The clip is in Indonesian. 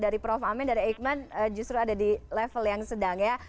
dari prof amin dari eijkman justru ada di level yang sedang ya